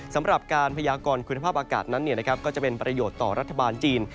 สำหรับการพยากรคุณภาพอากาศนั้นก็จะเป็นประโยชน์ต่อรัฐบาลจีน